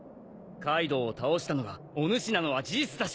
カイドウを倒したのがおぬしなのは事実だし